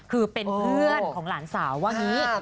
คือเป็นเพื่อนของหลานสาวว่างี้